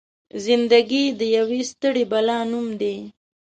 زنده ګي د يوې ستړې بلا نوم دی.